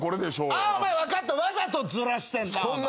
あお前分かったわざとずらしてんな。